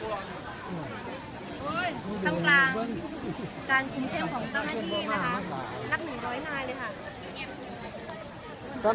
เฮ้ยทั้งกลางการคุ้มเช็มของเจ้าหน้าที่นะคะนักหนุนร้อยนายเลยค่ะ